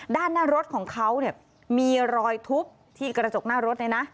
ด้านหน้ารถของเขาเนี่ยมีรอยทุบที่กระจกหน้ารถเลยนะ